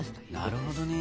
なるほどね。